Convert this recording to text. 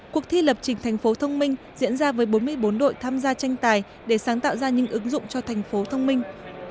cuộc thi lập trình tp thông minh diễn ra với bốn mươi bốn đội tham gia tranh tài để sáng tạo ra những ứng dụng cho tp thông minh